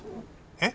えっ？